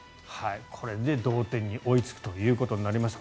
これで同点に追いつくということになりました。